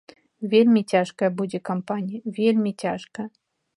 Вельмі цяжкая будзе кампанія, вельмі цяжкая.